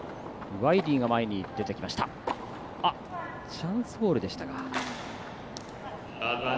チャンスボールでしたが。